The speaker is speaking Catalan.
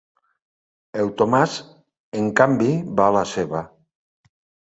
El Tomàs, en canvi, va a la seva.